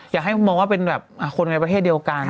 อยากให้มองว่าเป็นแบบคนในประเทศเดียวกัน